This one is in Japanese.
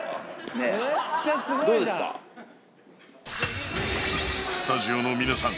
ねえスタジオの皆さん